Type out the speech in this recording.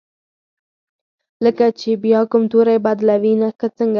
لکه چې بیا کوم توری بدلوي که څنګه؟